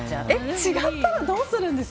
違ったらどうするんですか？